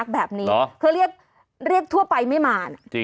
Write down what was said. ใช้เมียได้ตลอด